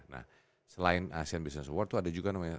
nah selain asean business award itu ada juga namanya